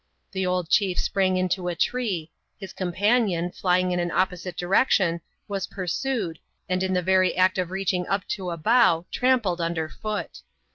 The old chief sprang into a tree ; his companion, fljing in an opposite direction^ was par sued, and in the very act of reaching up to a bough, trampled under foot.